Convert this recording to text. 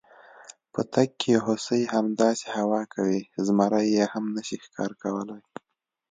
په تګ کې هوسۍ، همداسې هوا کوي، زمري یې هم نشي ښکار کولی.